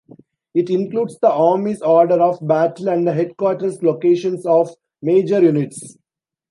It includes the army's order of battle and the headquarters locations of major units.